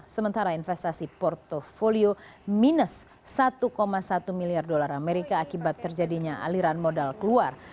sementara investasi portfolio minus satu satu miliar dolar amerika akibat terjadinya aliran modal keluar